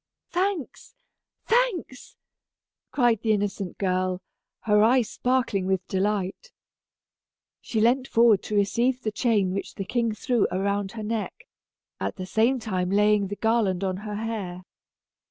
"Thanks thanks," cried the innocent girl, her eyes sparkling with delight. She leant forward to receive the chain which the king threw around her neck, at the same time laying the garland on her hair.